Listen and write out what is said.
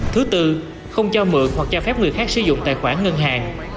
thứ tư không cho mượn hoặc cho phép người khác sử dụng tài khoản ngân hàng